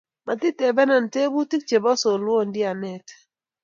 matitebena tebutik chebo solwondi anete